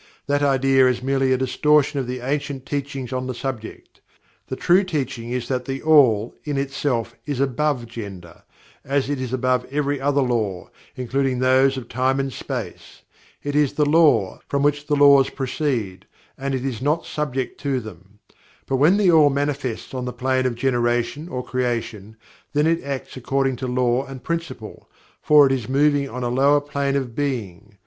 That idea is merely a distortion of the ancient teachings on the subject. The true teaching is that THE ALL, in itself, is above Gender, as it is above every other Law, including those of Time and Space. It is the Law, from which the Laws proceed, and it is not subject to them. But when THE ALL manifests on the plane of generation or creation, then it acts according to Law and Principle, for it is moving on a lower plane of Being.